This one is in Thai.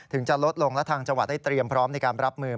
จะลดลงและทางจังหวัดได้เตรียมพร้อมในการรับมือ